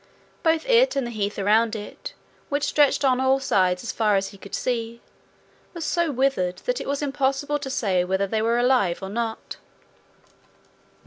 Both it and the heath around it, which stretched on all sides as far as he could see, were so withered that it was impossible to say whether they were alive or not.